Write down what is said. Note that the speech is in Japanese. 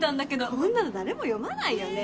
こんなの誰も読まないよね